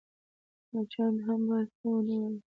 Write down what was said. _مچانو ته هم بايد څه ونه وايو.